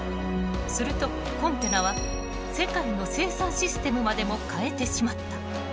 するとコンテナは世界の生産システムまでも変えてしまった。